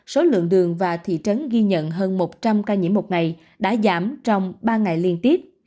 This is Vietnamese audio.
số lượng đường và thị trấn ghi nhận hơn một trăm linh ca nhiễm một ngày đã giảm trong ba ngày liên tiếp